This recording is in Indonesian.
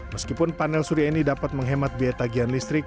meskipun panel surya ini dapat menghemat biaya tagihan listrik